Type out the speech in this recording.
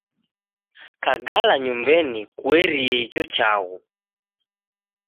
Kagala nyumbenyi kuerie icho chaghu